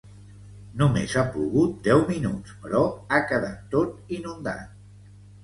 Només ha plogut deu minuts, però ha quedat tot inundat.